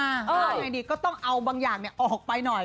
ยังไงดีก็ต้องเอาบางอย่างออกไปหน่อย